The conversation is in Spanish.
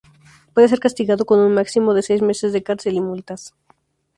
Puede ser castigado con un máximo de seis meses de cárcel y multas.